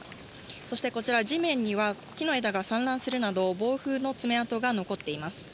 そしてこちら、地面には木の枝が散乱するなど、暴風の爪痕が残っています。